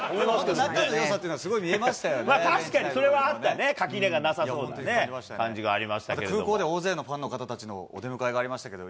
仲のよさというのは、すごい確かにそれはあったよね、垣根がなさそうって感じがありましたけれども。